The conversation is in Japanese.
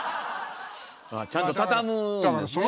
ちゃんと畳むんですね。